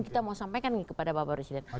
kita mau sampaikan kepada bapak presiden